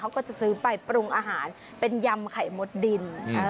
เขาก็จะซื้อไปปรุงอาหารเป็นยำไข่มดดิน